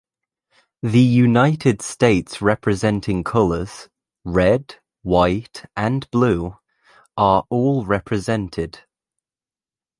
The United States representing colors, red, white and blue, are all represented.